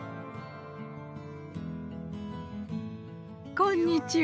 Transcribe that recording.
こんにちは。